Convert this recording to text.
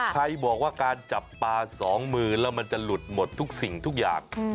ใครบอกว่าการจับปลาสองมือแล้วมันจะหลุดหมดทุกสิ่งทุกอย่าง